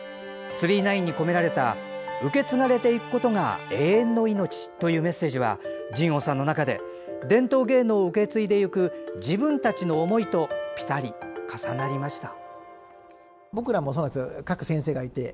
「９９９」に込められた「受け継がれていくことが永遠の命」というメッセージは仁凰さんの中で伝統芸能を受け継いでいく自分たちの思いとぴたり重なりました。